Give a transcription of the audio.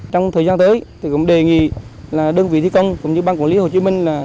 trong thời gian tới thì cũng đề nghị là đơn vị thi công cũng như ban quản lý hồ chí minh